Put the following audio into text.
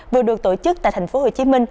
vừa được tổ chức tại tp hcm